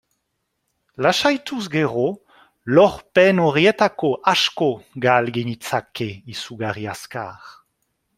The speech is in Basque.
Lasaituz gero, lorpen horietako asko gal genitzake izugarri azkar.